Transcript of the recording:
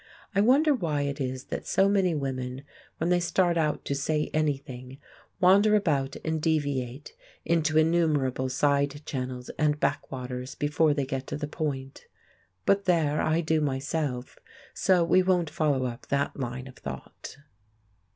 I wonder why it is that so many women, when they start out to say anything, wander about and deviate into innumerable side channels and backwaters before they get to the point?—but there, I do myself, so we won't follow up that line of thought.